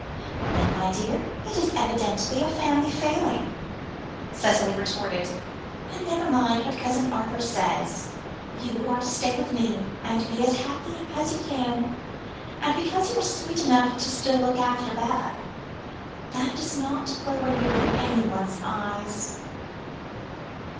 "Then, my dear, it is evidently a family failing," Cicely retorted; "but never mind what Cousin Arthur says. You are to stay with me, and be as happy as you can, and because you are sweet enough still to look after Baba, that does not lower you in anyone's eyes."